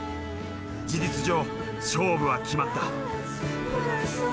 事実上勝負は決まった。